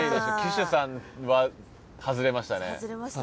騎手さんは外れましたね。